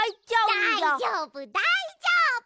だいじょうぶだいじょうぶ！